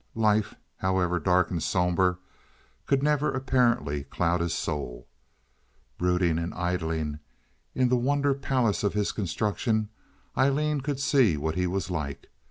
Life, however dark and somber, could never apparently cloud his soul. Brooding and idling in the wonder palace of his construction, Aileen could see what he was like.